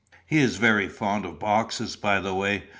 "He is very fond of boxes, by the way.